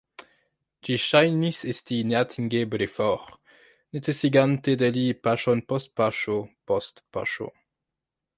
Ĝi ŝajnis esti neatingeble for, necesigante de li paŝon post paŝo post paŝo.